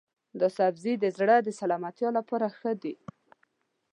دا سبزی د زړه د سلامتیا لپاره ښه دی.